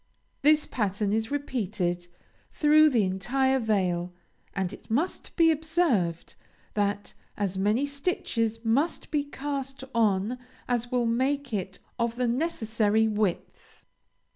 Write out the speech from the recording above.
This pattern is repeated through the entire veil; and it must be observed, that as many stitches must be cast on as will make it of the necessary width.